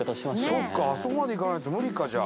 そうかあそこまで行かないと無理かじゃあ。